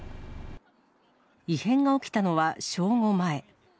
異変が起きたのは正午前。